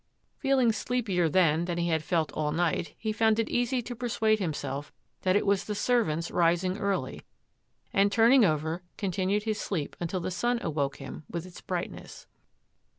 Feeling sleepier then than he had felt all night, he found it easy to persuade himself that it was the servants rising early, and turning over, continued his sleep until the sun awoke him with its bright ness.